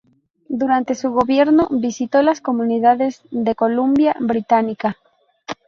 Durante su gobierno, visitó las comunidades de Columbia Británica.